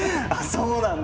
そうなんだ！